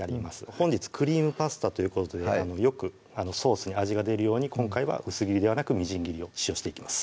本日「クリームパスタ」ということでよくソースに味が出るように今回は薄切りではなくみじん切りを使用していきます